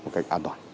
một cách an toàn